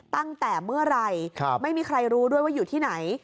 ตั้งแต่เมื่อไหร่ไม่มีใครรู้ด้วยว่าอยู่ที่ไหน